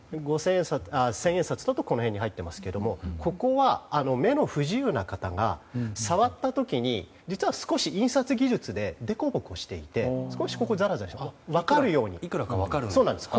千円札だとこの辺に入っていますけどここは目の不自由な方が触った時に、実は少し印刷技術で凸凹していて少しザラザラしていて分かるようになっています。